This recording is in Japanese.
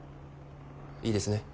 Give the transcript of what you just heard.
いいですね？